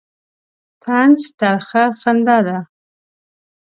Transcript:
طنز ترخه خندا ده.